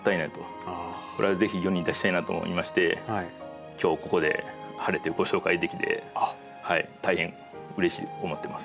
これはぜひ世に出したいなと思いまして今日ここで晴れてご紹介できて大変うれしく思ってます。